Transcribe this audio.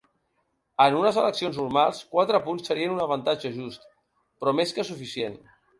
En unes eleccions normals, quatre punts serien un avantatge just però més que suficient.